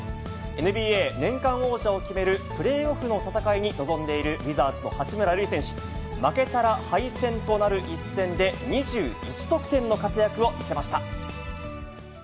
ＮＢＡ年間王者を決めるプレーオフの戦いに臨んでいる、ウィザーズの八村塁選手、負けたら敗戦となる一戦で、２１得点の活躍を見せました。